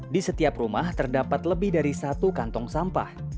di setiap rumah terdapat lebih dari satu kantong sampah